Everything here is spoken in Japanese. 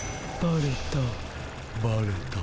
バレた？